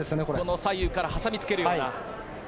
左右から挟みつけるような。